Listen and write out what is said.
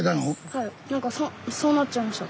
はい何かそうなっちゃいました。